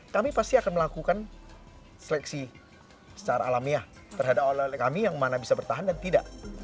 kami pasti akan melakukan seleksi secara alamiah terhadap oleh oleh kami yang mana bisa bertahan dan tidak